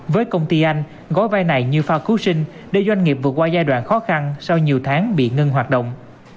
với công ty anh gói vai này như pha cushion để doanh nghiệp vượt qua giai đoạn khó khăn sau nhiều tháng bị ngân hoạt động